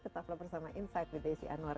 tetaplah bersama insight with desi anwar